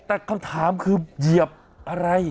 แต่คำถามคือเหยียบอะไร